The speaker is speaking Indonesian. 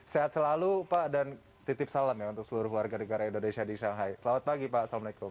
sehat selalu pak dan titip salam ya untuk seluruh warga negara indonesia di shanghai selamat pagi pak assalamualaikum